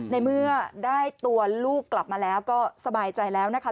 ในเมื่อได้ตัวลูกกลับมาแล้วก็สบายใจแล้วนะคะ